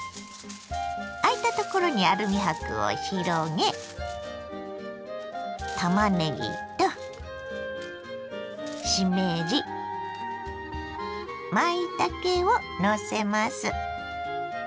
あいたところにアルミ箔を広げたまねぎとしめじまいたけをのせます。